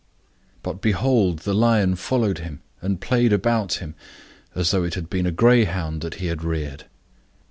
But behold the lion followed him, and played about him, as though it had been a greyhound that he had reared.